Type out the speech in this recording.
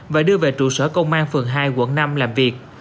và đưa về trụ sở công an phường hai quận năm làm việc